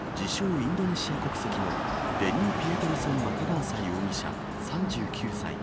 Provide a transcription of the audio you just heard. インドネシア国籍のデニー・ピエトルソン・マカガンサ容疑者３９歳。